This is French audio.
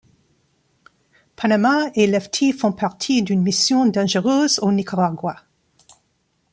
Panama et Lefty font partie d'une mission dangereuse au Nicaragua.